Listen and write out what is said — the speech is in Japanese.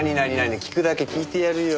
聞くだけ聞いてやるよ。